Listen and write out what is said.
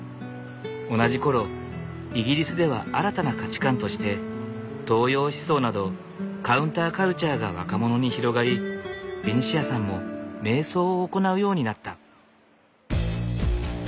同じ頃イギリスでは新たな価値観として東洋思想などカウンターカルチャーが若者に広がりベニシアさんも瞑想を行うようになった。